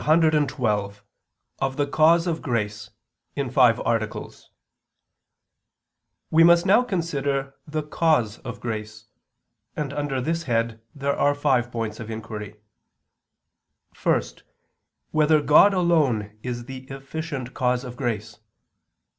________________________ QUESTION 112 OF THE CAUSE OF GRACE (In Five Articles) We must now consider the cause of grace; and under this head there are five points of inquiry: (1) Whether God alone is the efficient cause of grace?